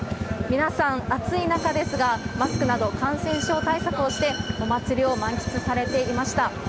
皆さん暑い中ですが、マスクなど感染症対策をして、お祭りを満喫されていました。